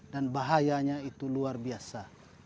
dan bahayanya itu luar biasa